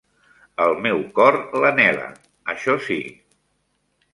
El meu cor l'anhela; això sí!